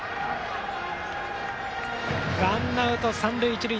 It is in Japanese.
ワンアウト三塁一塁。